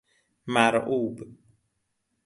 مرعوب